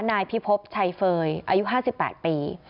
นายพิพบชัยเฟย์อายุ๕๘ปี